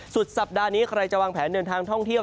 สุดสัปดาห์นี้ใครจะวางแผนเดินทางท่องเที่ยว